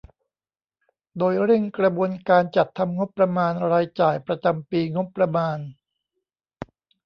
โดยเร่งกระบวนการจัดทำงบประมาณรายจ่ายประจำปีงบประมาณ